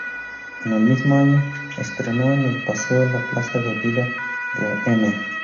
En el mismo año estreno en el Paseo la Plaza Que Vida de M...